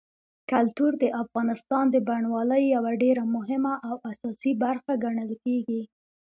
کلتور د افغانستان د بڼوالۍ یوه ډېره مهمه او اساسي برخه ګڼل کېږي.